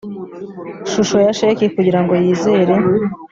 shusho ya sheki kugira ngo yizere